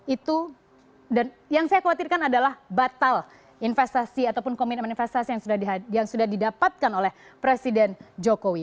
itu dan yang saya khawatirkan adalah batal investasi ataupun komitmen investasi yang sudah didapatkan oleh presiden jokowi